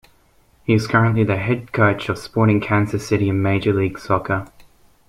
He is currently the head coach of Sporting Kansas City in Major League Soccer.